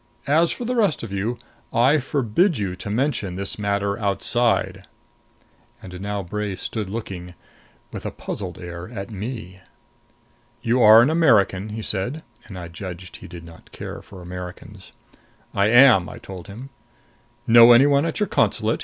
As for the rest of you, I forbid you to mention this matter outside." And now Bray stood looking, with a puzzled air, at me. "You are an American?" he said, and I judged he did not care for Americans. "I am," I told him. "Know any one at your consulate?"